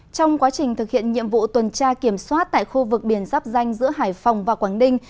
trong quá trình thực hiện nhiệm vụ tuần tra kiểm soát tại khu vực biển giáp danh giữa hải phòng và quảng ninh